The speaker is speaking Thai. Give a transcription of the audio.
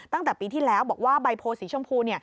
ตั้งแต่ปีที่แล้วบอกว่าใบโพสีชมพู